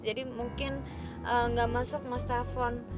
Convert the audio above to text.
jadi mungkin gak masuk mas telepon